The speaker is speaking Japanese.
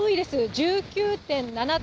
１９．７度。